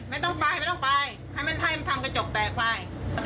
ไม่ต้องไปไม่ต้องไปให้มันไพ่มันทำกระจกแตกไป